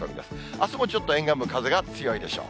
あすもちょっと沿岸部、風が強いでしょう。